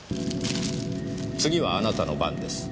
「次はあなたの番です。